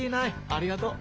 ありがとう。